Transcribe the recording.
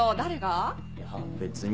いや別に？